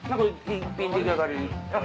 一品出来上がり。